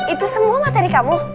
itu semua materi kamu